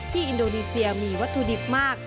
อินโดนีเซียมีวัตถุดิบมาก